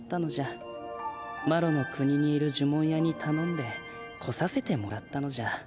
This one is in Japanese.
マロの国にいる呪文屋にたのんで来させてもらったのじゃ。